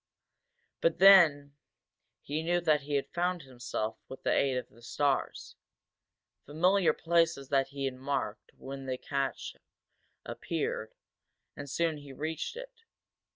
But then he knew that he had found himself, with the aid of the stars. Familiar places that he had marked when they made the cache appeared, and soon he reached it.